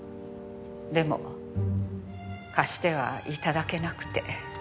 でも貸しては頂けなくて。